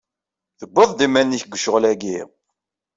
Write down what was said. Tewwi-d iman-is deg ccɣel-agi.